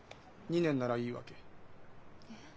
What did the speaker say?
２年ならいいわけ？えっ？